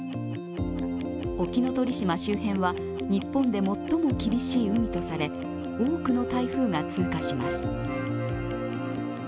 沖ノ鳥島周辺は日本で最も厳しい海とされ、多くの台風が通過します。